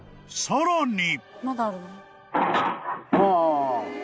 ［さらに！］